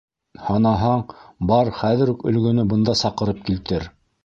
- Һанаһаң, бар хәҙер үк Өлгөнө бында саҡырып килтер.